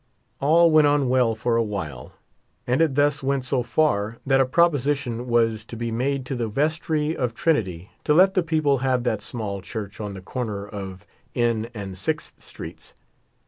All went on well for a while, and it thus went so far that a proposition was to be made to the vestry of Trinity to let the people have that small church on the corner of N and Sixth streets.